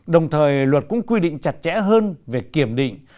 đồng thời luật cũng quy định chặt chẽ hơn về kiểm định